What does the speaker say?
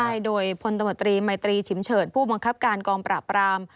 ใช่โดยพลตมตรีมัยตรีฉิมเฉิดผู้บังคับการกองปราบราม